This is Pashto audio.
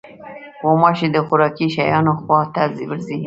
غوماشې د خوراکي شیانو خوا ته ورځي.